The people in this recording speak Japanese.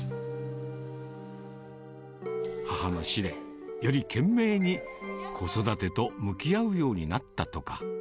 母の死で、より懸命に子育てと向き合うようになったとか。